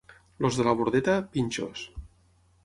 Els de la Bordeta, pinxos.